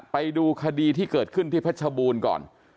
ไปดูคดีที่เกิดขึ้นที่เพชรบูรณ์ก่อน